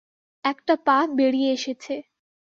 একটা পা বেড়িয়ে এসেছে।